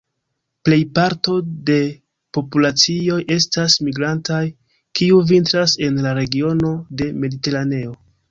Plej parto de populacioj estas migrantaj, kiu vintras en la regiono de Mediteraneo.